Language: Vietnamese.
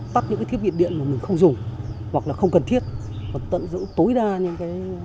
tắt những cái thiết bị điện mà mình không dùng hoặc là không cần thiết hoặc tận dụng tối đa những cái